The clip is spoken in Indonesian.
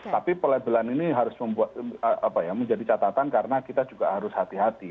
tapi pelabelan ini harus menjadi catatan karena kita juga harus hati hati